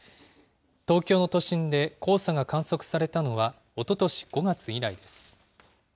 東京の都心で黄砂が観測されたのはおととし５月以来です。